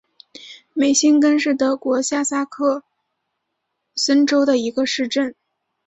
梅辛根是德国下萨克森州的一个市镇。